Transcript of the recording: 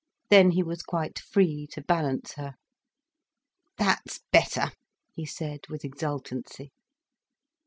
Then he was quite free to balance her. "That's better," he said, with exultancy.